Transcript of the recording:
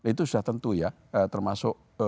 itu sudah tentu ya termasuk